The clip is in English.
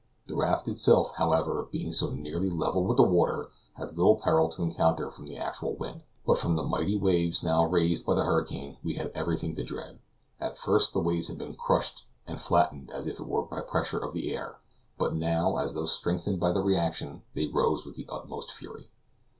The raft itself, however, being so nearly level with the water, had little peril to encounter from the actual wind; but from the mighty waves now raised by the hurricane we had everything to dread. At first the waves had been crushed and flattened as it were by the pressure of the air, but now, as though strengthened by the reaction, they rose with the utmost fury.